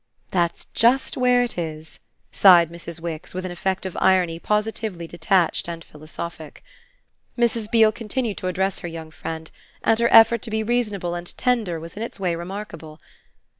"That's just where it is!" sighed Mrs. Wix with an effect of irony positively detached and philosophic. Mrs. Beale continued to address her young friend, and her effort to be reasonable and tender was in its way remarkable.